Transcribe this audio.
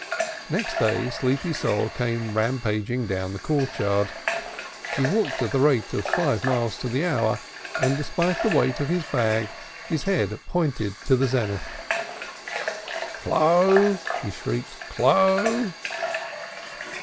Next day Sleepy Sol came rampaging down the courtyard. He walked at the rate of five miles to the hour, and despite the weight of his bag his head pointed to the zenith. "Clo'!" he shrieked. "Clo'!"